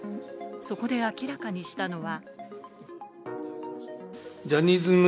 そこで明らかにしたのが。